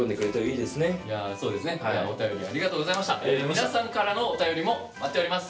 皆さんからのお便りも待っております。